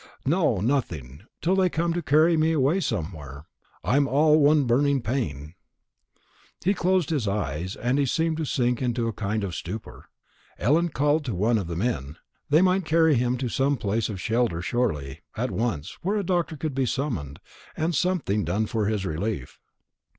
"No, nothing; till they come to carry me away somewhere. I'm all one burning pain." His eyes closed, and he seemed to sink into a kind of stupor. Ellen called to one of the men. They might carry him to some place of shelter surely, at once, where a doctor could be summoned, and something done for his relief.